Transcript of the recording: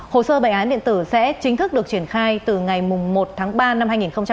hồ sơ bệnh án điện tử sẽ chính thức được triển khai từ ngày một tháng ba năm hai nghìn hai mươi